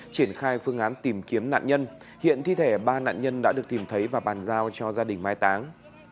triển khai phương án tìm kiếm nạn nhân hiện thi thể ba nạn nhân đã được tìm thấy và bàn giao cho gia đình mai táng